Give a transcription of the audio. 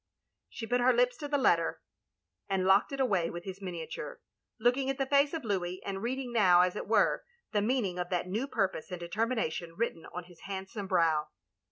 '* She put her lips to the letter, and locked it away with his miniature; looking at the face of Louis, and reading now, as it were, the meaning of that new purpose and determination written on his handsome brow.